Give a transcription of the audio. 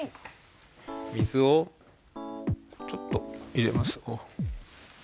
水をちょっと入れます。